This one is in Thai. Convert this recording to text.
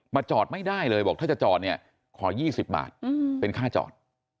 จอดไม่ได้เลยบอกถ้าจะจอดเนี่ยขอ๒๐บาทเป็นค่าจอด